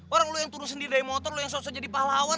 orang lo yang turun sendiri dari motor lo yang susah jadi pahlawan